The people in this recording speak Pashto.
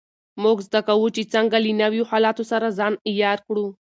موږ زده کوو چې څنګه له نویو حالاتو سره ځان عیار کړو.